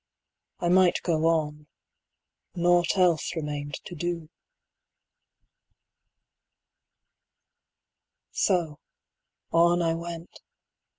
I might go on; naught else remained to do. So, on I went.